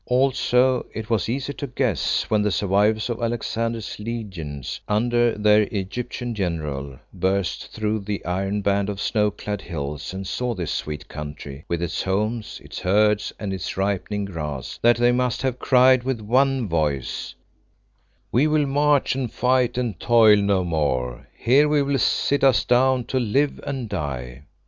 Also it was easy to guess when the survivors of Alexander's legions under their Egyptian general burst through the iron band of snow clad hills and saw this sweet country, with its homes, its herds, and its ripening grass, that they must have cried with one voice, "We will march and fight and toil no more. Here we will sit us down to live and die."